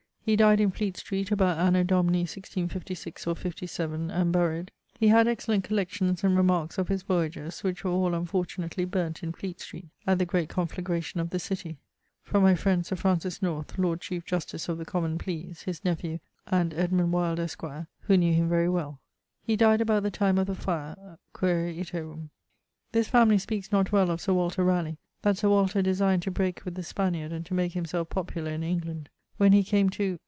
He died in Fleet Street about anno Domini 1656 or 57, and buryed.... He had excellent collections and remarques of his voyages, which were all unfortunately burnt in Fleet Street at the great conflagration of the city. From my Sir Francis North, Lord Chiefe Justice of the Common Pleas, his nephew, and Edmund Wyld, esq., who knew him very well. He dyed about the time of the fire (?); quaere iterum. This family speakes not well of Sir Walter Raleigh, that Sir Walter designed to breake with the Spanyard, and to make himselfe popular in England. When he came to